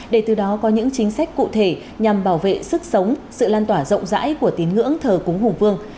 để từ đó có những chính sách cụ thể nhằm bảo vệ sức sống sự lan tỏa rộng rãi của tín ngưỡng thờ cúng hùng vương